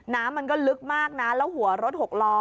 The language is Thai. น้ำมันก็ลึกมากนะแล้วหัวรถหกล้อ